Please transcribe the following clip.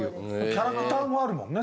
キャラクターもあるもんね